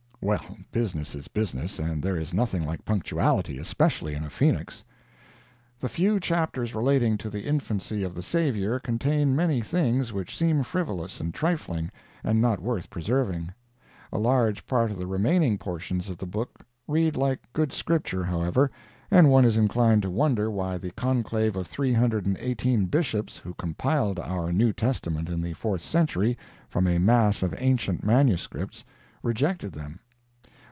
Well, business is business, and there is nothing like punctuality, especially in a phoenix. The few chapters relating to the infancy of the Savior contain many things which seem frivolous and trifling, and not worth preserving. A large part of the remaining portions of the book read like good Scripture, however, and one is inclined to wonder why the conclave of 318 Bishops who compiled our New Testament in the fourth century, from a mass of ancient manuscripts, rejected them.